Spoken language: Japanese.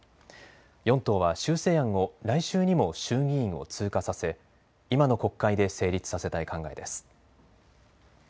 ４党は修正案を来週にも衆議院を通過させ、今の国会で成立させたい考えです。